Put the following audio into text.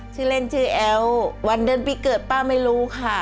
ชื่อเล่นชื่อแอ๋ววันเดือนปีเกิดป้าไม่รู้ค่ะ